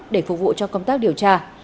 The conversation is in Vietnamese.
để phục vụ cho công tác điều tra